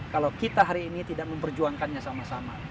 kalau kita hari ini tidak memperjuangkannya sama sama